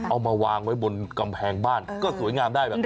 เอามาวางไว้บนกำแพงบ้านก็สวยงามได้แบบนี้